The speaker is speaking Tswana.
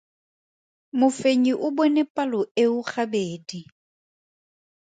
Mofenyi o bone palo eo gabedi.